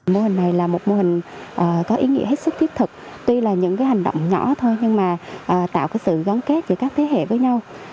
mô hình này là một mô hình có ý nghĩa hết sức thiết thực tuy là những hành động nhỏ thôi nhưng mà tạo sự gắn kết giữa các thế hệ với nhau